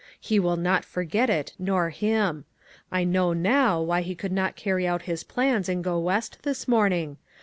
He will not forget it, nor him. I know, now, why he could not carry out his plans and go West this morning.